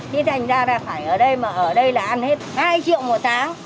thì thành ra là phải ở đây mà ở đây là ăn hết hai triệu một tháng